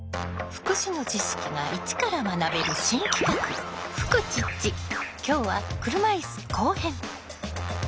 福祉の知識が一から学べる新企画今日は車いす後編。